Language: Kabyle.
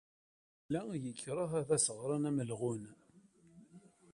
Yella yekṛeh ad as-ɣren amelɣun.